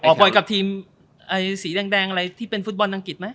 ปล่อยกับทีมสีแดงอะไรที่เป็นฟุตบอลอังกฤษไหม